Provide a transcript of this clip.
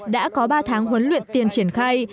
đã có ba tháng huấn luyện tiền triển khai